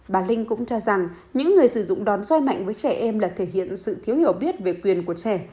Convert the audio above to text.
bà linh cũng cho rằng những người sử dụng đón roi mạnh với trẻ em là thể hiện sự thiếu hiểu biết về quyền của trẻ